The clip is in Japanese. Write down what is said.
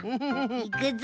いくぞ。